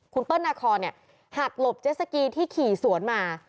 คุณเปิ้ลนาคอนหักหลบเจสสกีที่ขี่สวนมา